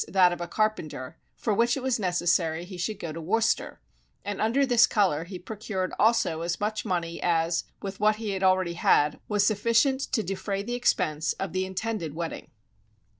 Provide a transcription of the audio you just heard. that of a carpenter, for which it was necessary he should go to Worcester; and under this colour he procured also as much money as, with what he had already had, was sufficient to defray the expense of the intended wedding.